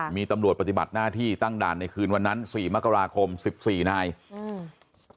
มีตำรวจปฏิบัติหน้าที่ตั้งด่านในคืนวันนั้นสี่มกราคมสิบสี่นายอืม